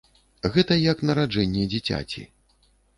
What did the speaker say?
Гэта як нараджэнне дзіцяці!